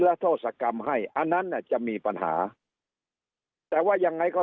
ทศกรรมให้อันนั้นน่ะจะมีปัญหาแต่ว่ายังไงก็